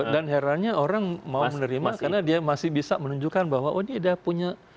dan herannya orang mau menerima karena dia masih bisa menunjukkan bahwa dia punya